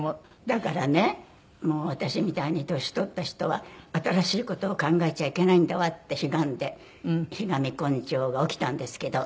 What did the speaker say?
だからねもう私みたいに年を取った人は新しい事を考えちゃいけないんだわってひがんでひがみ根性が起きたんですけど。